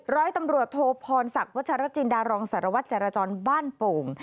ร้อยตำรวจโทพรศักดิ์วัชรจินดารองสารวัตรจรจรบ้านโป่ง